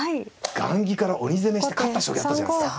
雁木から鬼攻めして勝った将棋あったじゃないですか。